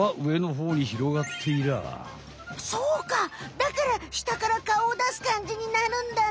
だから下から顔をだすかんじになるんだね。